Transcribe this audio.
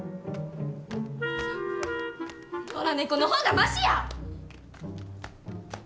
野良猫の方がマシや！